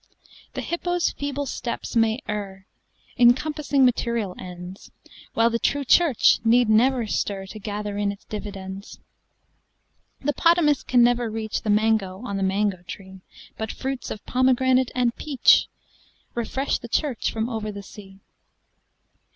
The hippo's feeble steps may errIn compassing material ends, While the True Church need never stirTo gather in its dividends. The 'potamus can never reachThe mango on the mango tree; But fruits of pomegranate and peachRefresh the Church from over sea.